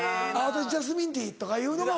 「私ジャスミンティー」とかいうのが。